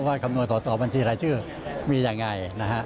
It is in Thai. ว่าคำนวณต่อบัญชีรายชื่อมีอย่างไร